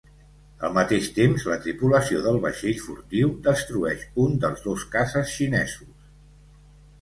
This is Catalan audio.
Al mateix temps, la tripulació del vaixell furtiu destrueix un dels dos caces xinesos.